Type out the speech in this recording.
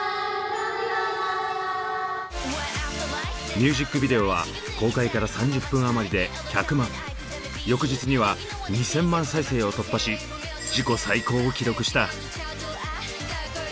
ミュージックビデオは公開から３０分余りで１００万翌日には２，０００万再生を突破し自己最高を記録した。